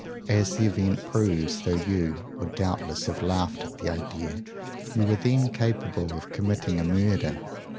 As the event proves, though you would doubtless have laughed at the idea, you were then capable of committing a murder.